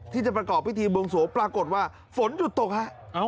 ที่จะประกอบพิธีบวงสวงปรากฏว่าฝนหยุดตกฮะ